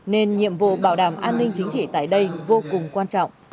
nên nhiệm vụ bảo đảm an ninh chính trị tại đây vô cùng quan trọng